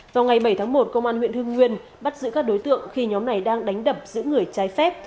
vào ngày bảy tháng một công an huyện hưng nguyên bắt giữ các đối tượng khi nhóm này đang đánh đập giữ người trái phép